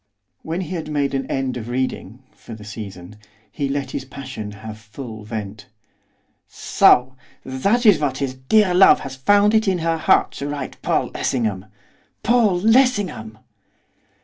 When he had made an end of reading, for the season, he let his passion have full vent. 'So! That is what his dear love has found it in her heart to write Paul Lessingham! Paul Lessingham!